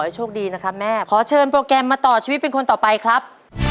ทำไมถึงชอบครับ